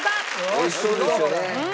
おいしそうですよね。